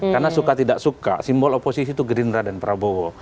karena suka tidak suka simbol oposisi itu gerindra dan prabowo